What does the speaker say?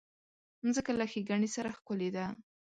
مځکه له ښېګڼې سره ښکلې ده.